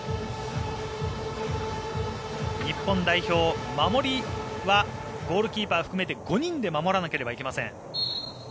日本代表、守りはゴールキーパー含めて５人で守らなければいけません。